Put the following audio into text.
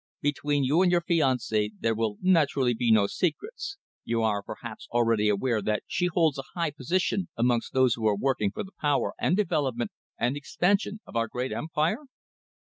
Between you and your fiancée there will naturally be no secrets. You are perhaps already aware that she holds a high position amongst those who are working for the power and development and expansion of our great empire?"